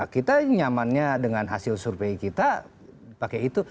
kita nyamannya dengan hasil survei kita pakai itu